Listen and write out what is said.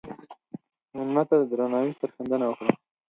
مېلمه ته د درناوي سرښندنه وکړه.